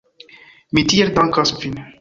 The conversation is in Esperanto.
Mi tiel dankas vin.